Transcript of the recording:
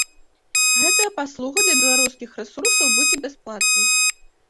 Гэтая паслуга для беларускіх рэсурсаў будзе бясплатнай.